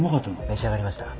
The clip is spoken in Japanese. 召し上がりました？